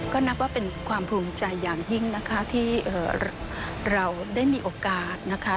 ก็นับว่าเป็นความภูมิใจอย่างยิ่งนะคะที่เราได้มีโอกาสนะคะ